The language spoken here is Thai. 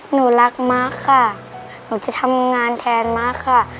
หนูรักมะค่ะหนูจะทำงานแทนมะค่ะ